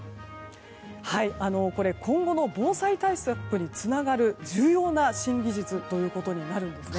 これは今後の防災対策につながる重要な新技術となります。